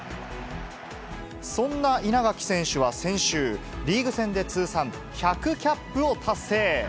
そんな稲垣選手は先週、リーグ戦で通算１００キャップを達成。